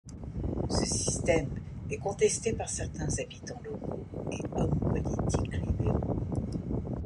Ce système est contesté par certains habitants locaux et hommes politiques libéraux.